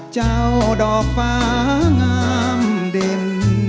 เจ้าดอกฟ้างามเด่น